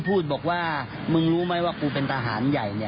คุณพ่างภูมิจะออกมาปฏิเสธมันก็แหม่